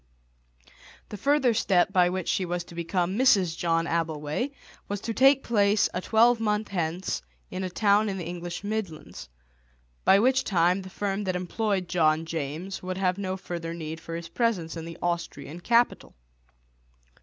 The further step by which she was to become Mrs. John Abbleway was to take place a twelvemonth hence in a town in the English midlands, by which time the firm that employed John James would have no further need for his presence in the Austrian capital.